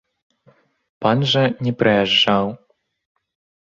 Пан жа не прыязджаў.